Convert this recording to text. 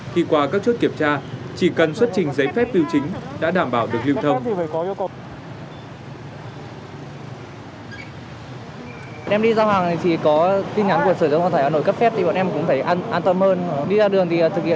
khi qua các chốt kiểm tra chỉ cần xuất trình giấy phép biểu chính đã đảm bảo được lưu thông